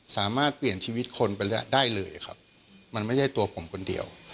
สามารถเปลี่ยนชีวิตคนไปแล้วได้เลยครับมันไม่ใช่ตัวผมคนเดียว